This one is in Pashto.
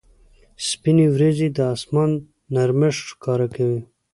سپینې ورېځې د اسمان نرمښت ښکاره کوي.